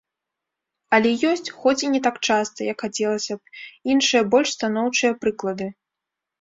Але ёсць, хоць і не так часта, як хацелася б, іншыя, больш станоўчыя прыклады.